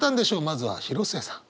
まずは広末さん。